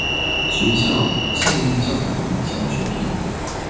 学校现任校长为肖学平。